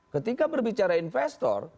ketika berbicara investor